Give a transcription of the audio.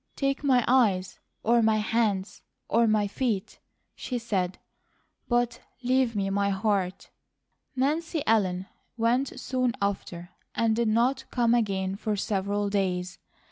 "Take my eyes, or my hands, or my feet," she said; "but leave me my heart." Nancy Ellen went soon after, and did not come again for several days.